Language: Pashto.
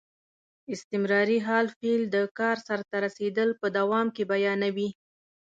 استمراري حال فعل د کار سرته رسېدل په دوام کې بیانیوي.